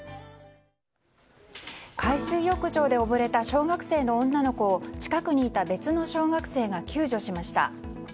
海水浴場で溺れた小学生の女の子を近くにいた別の小学生が救助しました。